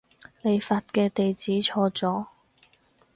你發嘅地址錯咗